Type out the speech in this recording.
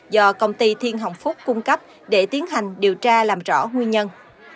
do công ty thiên hồng phúc cung cấp để tiến hành điều tra làm rõ nguyên nhân